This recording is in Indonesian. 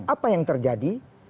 apa yang terjadi